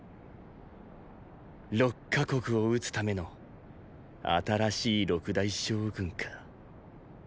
六か国を討つための新しい六大将軍か。